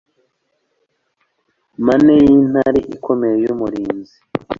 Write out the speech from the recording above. Mane yintare ikomeye y’umurinzi